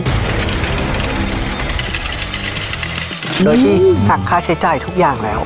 โดยที่หักค่าใช้จ่ายทุกอย่างแล้ว